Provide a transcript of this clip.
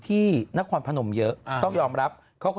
ที่นครพนมเยอะต้องยอมรับ